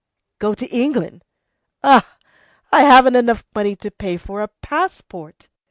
Go to England! Eh! I haven't enough to pay for a passport!"